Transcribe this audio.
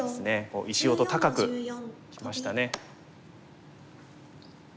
石音高くいきましたね。